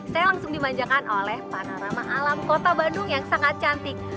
saya langsung dimanjakan oleh panorama alam kota bandung yang sangat cantik